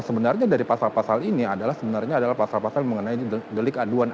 sebenarnya dari pasal pasal ini adalah sebenarnya adalah pasal pasal mengenai delik aduan